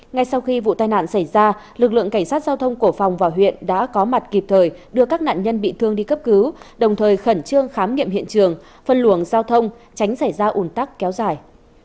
ngay sau khi vụ tai nạn xảy ra lực lượng cảnh sát giao thông cổ phòng và huyện đã có mặt kịp thời đưa các nạn nhân bị thương đi cấp cứu đồng thời khẩn trương khám nghiệm hiện trường phân luồng giao thông tránh xảy ra ủn tắc kéo dài